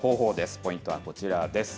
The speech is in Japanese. ポイントはこちらです。